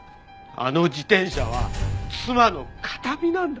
あの自転車は妻の形見なんだ！